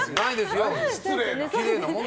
失礼な。